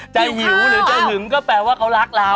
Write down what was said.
วิวหรือจะหึงก็แปลว่าเขารักเรา